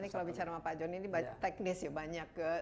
ini kalau bicara sama pak joni ini teknis ya banyak